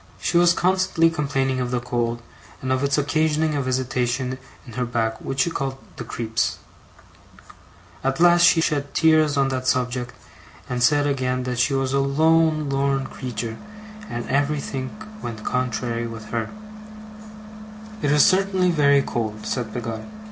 She was constantly complaining of the cold, and of its occasioning a visitation in her back which she called 'the creeps'. At last she shed tears on that subject, and said again that she was 'a lone lorn creetur' and everythink went contrary with her'. 'It is certainly very cold,' said Peggotty.